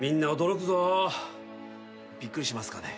びっくりしますかね？